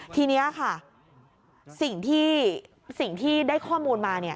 ทีนี้ค่ะสิ่งที่ได้ข้อมูลมา